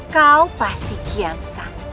kau pasti kira aku akan menangkan raka